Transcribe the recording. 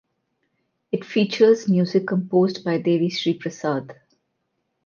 It features music composed by Devi Sri Prasad.